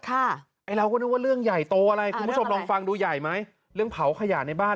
ไอเหล่าก็นึกว่าเรื่องใหญ่ตัวอะไรคุณผู้ชมลองฟังดูใหญ่มั้ย